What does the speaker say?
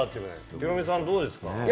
ヒロミさん、どうですか？